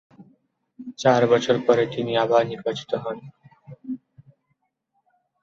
চার বছর পরে তিনি আবার নির্বাচিত হন।